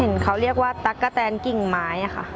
เขาเรียกว่าตั๊กกะแตนกิ่งไม้ค่ะ